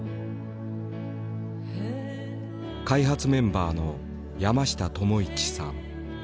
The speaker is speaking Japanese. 開発メンバーの山下友一さん。